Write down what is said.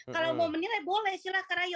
kalau mau menilai boleh silahkan aja